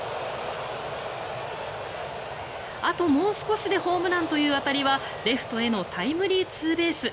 あともう少しでホームランという当たりはレフトへのタイムリーツーベース。